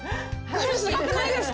これすごくないですか？